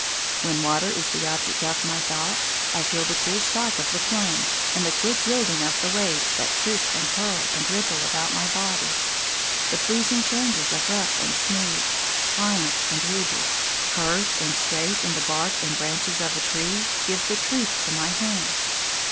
When water is the object of my thought, I feel the cool shock of the plunge and the quick yielding of the waves that crisp and curl and ripple about my body. The pleasing changes of rough and smooth, pliant and rigid, curved and straight in the bark and branches of a tree give the truth to my hand.